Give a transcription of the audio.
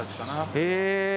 へえ。